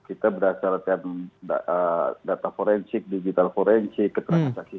kita berasal dari data forensik digital forensik